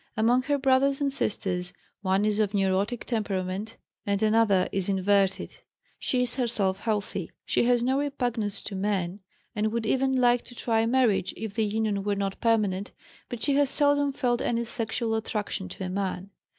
Among her brothers and sisters, one is of neurotic temperament and another is inverted. She is herself healthy. She has no repugnance to men, and would even like to try marriage, if the union were not permanent, but she has seldom felt any sexual attraction to a man.